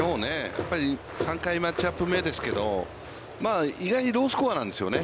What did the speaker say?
やっぱり３回マッチアップ目ですけれども、意外にロースコアなんですよね。